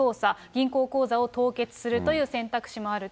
銀行口座を凍結するという選択肢もある。